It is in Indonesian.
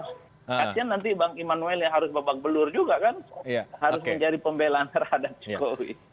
kasian nanti bang immanuel yang harus babak belur juga kan harus mencari pembelaan terhadap jokowi